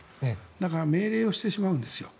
だから命令してしまうんですよ。